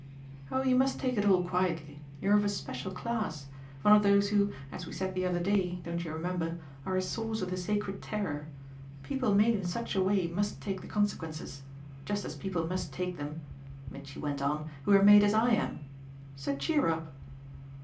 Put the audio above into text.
"Oh you must take it all quietly. You're of a special class; one of those who, as we said the other day don't you remember? are a source of the sacred terror. People made in such a way must take the consequences; just as people must take them," Mitchy went on, "who are made as I am. So cheer up!"